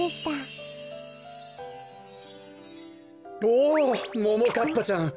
おおももかっぱちゃん。